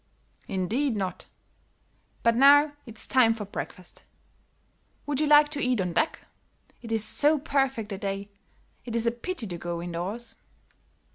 "Indeed not; but now it's time for breakfast. Would you like to eat on deck? It is so perfect a day, it is a pity to go indoors."